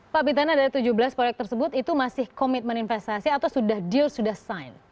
pak bitana dari tujuh belas proyek tersebut itu masih komitmen investasi atau sudah deal sudah sign